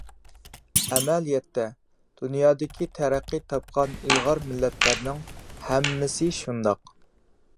ئەمەلىيەتتە، دۇنيادىكى تەرەققىي تاپقان ئىلغار مىللەتلەرنىڭ ھەممىسى شۇنداق.